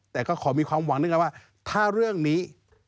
แต่ก็ขอมีความหวังด้วยกันว่าถ้าเรื่องนี้